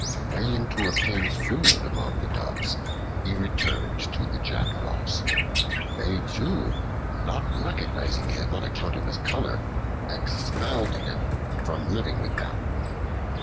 Failing to obtain food among the Doves, he returned to the Jackdaws. They too, not recognizing him on account of his color, expelled him from living with them.